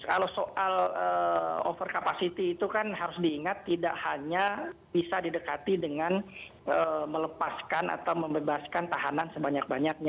kalau soal over capacity itu kan harus diingat tidak hanya bisa didekati dengan melepaskan atau membebaskan tahanan sebanyak banyaknya